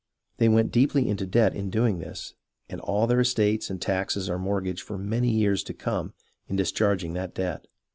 They went deeply into debt in doing this ; and all their estates and taxes are mortgaged for many years to come in discharging that debt."